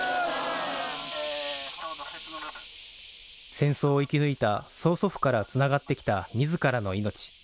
戦争を生き抜いた曾祖父からつながってきたみずからの命。